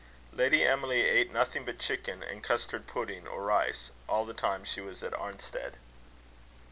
Lady Emily ate nothing but chicken, and custard pudding or rice, all the time she was at Arnstead.